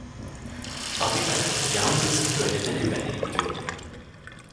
Fabrikaya yalnız öğleden evvelleri gidiyordum.